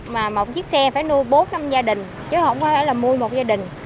mà một chiếc xe phải nuôi bốn năm gia đình chứ không có thể là mua một gia đình